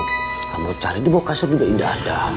kamu cari di bawah kasur juga gak ada